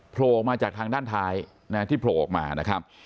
โผล่ออกมาจากทางด้านท้ายที่โผล่ออกมานะครับ